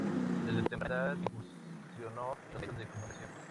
Desde temprana edad incursionó en los medios de comunicación.